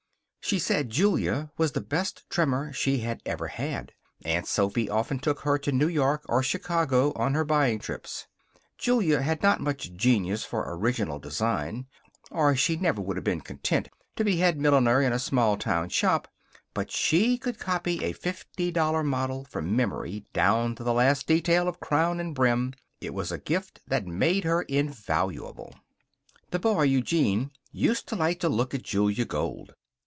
She said Julia was the best trimmer she had ever had. Aunt Sophy often took her to New York or Chicago on her buying trips. Julia had not much genius for original design, or she never would have been content to be head milliner in a small town shop. But she could copy a fifty dollar model from memory down to the last detail of crown and brim. It was a gift that made her invaluable. The boy, Eugene, used to like to look at Julia Gold.